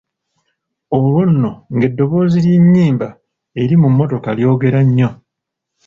Olwo nno ng'eddoboozi lya ennyimba eri mu mmotoka lyogera nnyo.